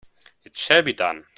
It shall be done!